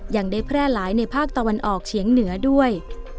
ยังได้แพร่หลายในภาคตะวันออกเฉียงเหนือด้วย